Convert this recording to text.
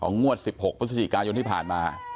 ของงวด๑๖ปศิษฐีกายนที่ผ่านมา